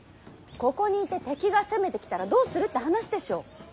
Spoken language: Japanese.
ここにいて敵が攻めてきたらどうするって話でしょう。